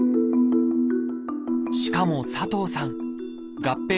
しかも佐藤さん